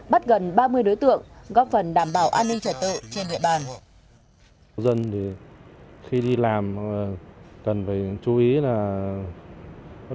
bắt gần ba mươi đối tượng góp phần đảm bảo an ninh trật tự trên địa bàn